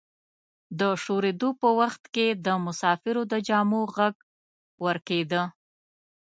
د شورېدو په وخت کې د مسافرو د جامو غږ ورکیده.